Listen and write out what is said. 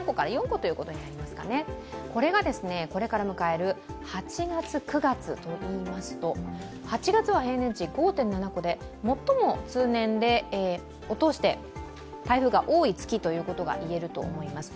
これがこれから迎える８月、９月といいますと８月は平年値５．７個で最も通年で台風が多い月といえると思います。